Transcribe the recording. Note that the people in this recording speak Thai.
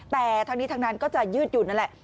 แต่ทั้งนี้ทั้งนั้นก็จะยืดหยุ่นนั่นแหละ